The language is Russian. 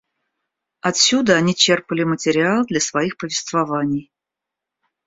Отсюда они черпали материал для своих повествований.